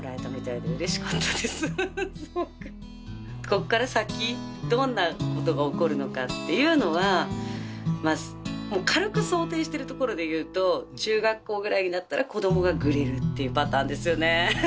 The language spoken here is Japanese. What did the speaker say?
こっから先どんなことが起こるのかっていうのは軽く想定してるところでいうと中学校ぐらいになったら子供がぐれるっていうパターンですよね。